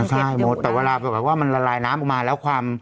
ใช่หมูแต่เวลาหมูสัตว์ก็ไหวว่ามันละลายน้ำออกมาแล้วความ